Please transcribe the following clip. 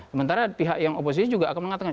sementara pihak yang oposisi juga akan mengatakan